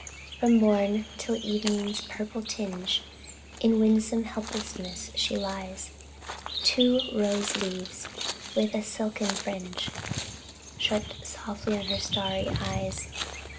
From morn till evening's purple tinge, In winsome helplessness she lies; Two rose leaves, with a silken fringe, Shut softly on her starry eyes.